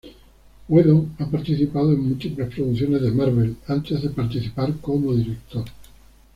Whedon ha participado en múltiples producciones de Marvel, antes de participar como director.